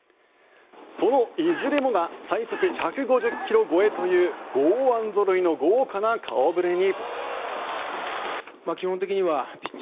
そのいずれもが最速１５０ｋｍ超えという剛腕ぞろいの豪華な顔触れに。